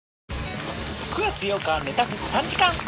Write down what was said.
９月８日ネタフェス３時間。